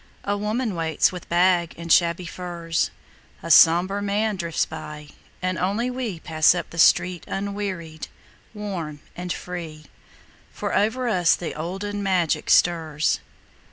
A woman waits with bag and shabby furs, A somber man drifts by, and only we Pass up the street unwearied, warm and free, For over us the olden magic stirs.